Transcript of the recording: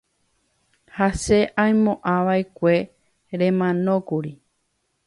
ha che aimo'ãva'ekue remanókuri.